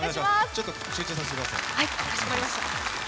ちょっと集中させてください。